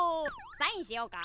サインしようか？